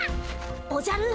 おじゃる。